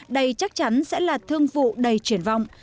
đây chắc chắn sẽ là thương vụ đầy triển vọng